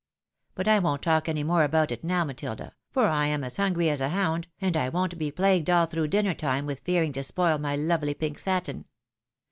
But I won't talk any more about it now, Matilda, for I am as hungry as a hound, and I won't be plagued all through dinner time with fearing to spoil my lovely pink satin.